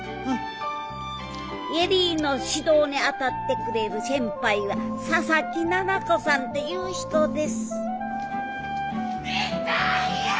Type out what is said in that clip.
恵里の指導に当たってくれる先輩は佐々木奈々子さんっていう人です痛いよ！